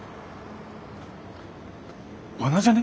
罠じゃね？